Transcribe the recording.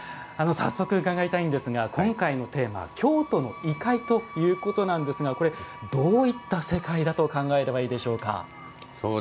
早速伺いたいんですが今回のテーマ「京都の異界」ということなんですがどういった世界だと考えればいいでしょうか。